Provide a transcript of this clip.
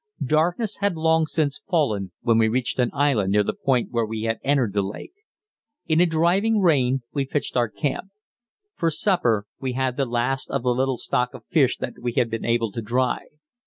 Darkness had long since fallen when we reached an island near the point where we had entered the lake. In a driving rain we pitched our camp. For supper we had the last of the little stock of fish that we had been able to dry.